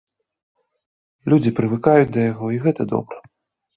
Людзі прывыкаюць да яго, і гэта добра.